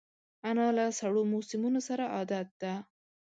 انا له سړو موسمونو سره عادت ده